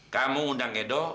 kamu undang edo